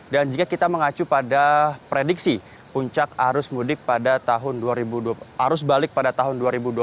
dan jika kita mengacu pada prediksi puncak arus mudik pada tahun dua ribu dua puluh tiga